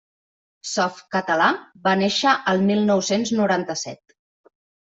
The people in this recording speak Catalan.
Softcatalà va néixer el mil nou-cents noranta-set.